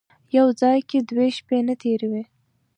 یو ځای کې دوې شپې نه تېروي.